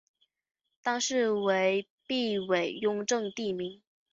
当是为避讳雍正帝名。